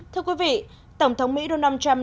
thưa quý vị tổng thống mỹ donald trump